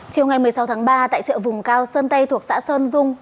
chiều ngày một mươi sáu tháng ba tại chợ vùng cao sơn tây thuộc xã sơn dung